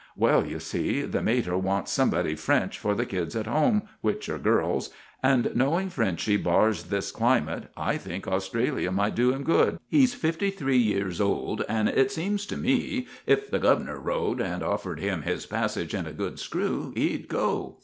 Well, you see, the mater wants somebody French for the kids at home, which are girls, and, knowing Frenchy bars this climate, I think Australia might do him good. He's fifty three years old, and it seems to me if the guv'nor wrote and offered him his passage and a good screw he'd go.